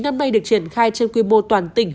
năm nay được triển khai trên quy mô toàn tỉnh